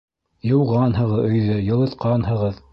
- Йыуғанһығыҙ өйҙө, йылытҡанһығыҙ...